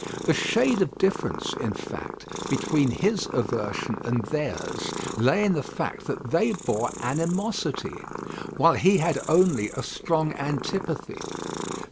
The shade of difference, in fact, between his aversion and theirs, lay in the fact that they bore animosity, while he had only a strong antipathy.